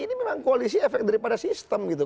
ini memang koalisi efek daripada sistem gitu